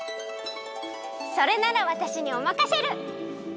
それならわたしにおまかシェル！